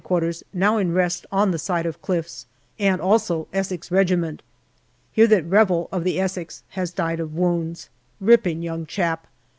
Q., now in rest on the side of cliffs, and also Essex Regi ment. Hear that Revel, of the Essex, has died of wounds. Ripping young chap.